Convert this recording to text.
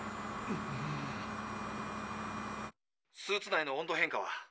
スーツ内の温度変化は？